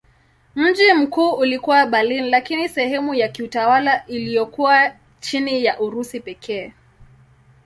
Mji mkuu ulikuwa Berlin lakini sehemu ya kiutawala iliyokuwa chini ya Urusi pekee.